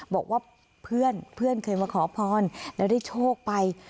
บอกว่าเพื่อนเพื่อนเคยมาขอพรแล้วได้โชคไป